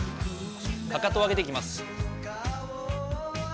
かかとを上げていきます。